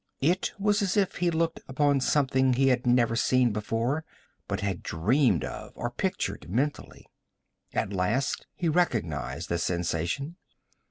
It was as if he looked upon something he had never seen before, but had dreamed of, or pictured mentally. At last he recognized the sensation.